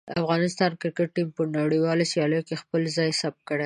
د افغانستان کرکټ ټیم په نړیوالو سیالیو کې خپله ځای ثبت کړی دی.